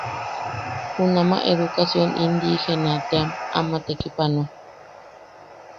Junama Edukasion Indiigena team ama tekipanoa.